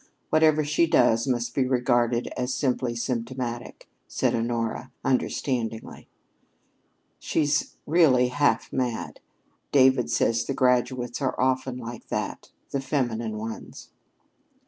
Whatever she does must be regarded as simply symptomatic," said Honora, understandingly. "She's really half mad. David says the graduates are often like that the feminine ones."